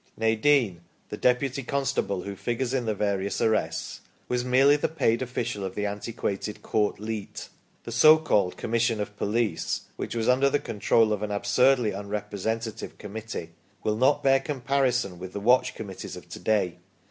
Nadin, the Deputy Constable, who figures in the various arrests, was merely the paid official of the antiquated Court Leet. The so called " Commission of Police," which was under the control of an absurdly unrepresentative committee, will not bear com parison with the Watch Committees of to day.